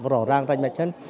rõ ràng rành mạch hơn